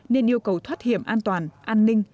nên yêu cầu thoát hiểm an toàn an ninh